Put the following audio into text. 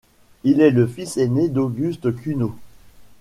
Il est le fils aîné d'August Cuno.